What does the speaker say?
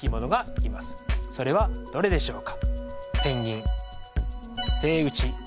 それはどれでしょうか。